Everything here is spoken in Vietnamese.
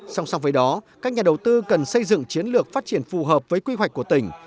song song với đó các nhà đầu tư cần xây dựng chiến lược phát triển phù hợp với quy hoạch của tỉnh